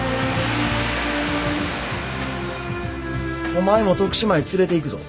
お前も徳島へ連れていくぞ。